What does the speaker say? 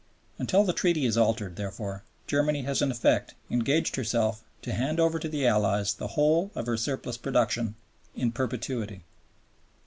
Until the Treaty is altered, therefore, Germany has in effect engaged herself to hand over to the Allies the whole of her surplus production in perpetuity.